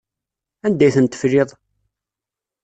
Anda ay ten-tefliḍ?